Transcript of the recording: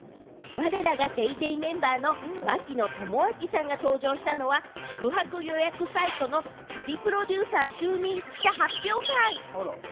われらが『ＤａｙＤａｙ．』メンバーの槙野智章さんが登場したのは宿泊予約サイトの旅プロデューサー就任記者発表会。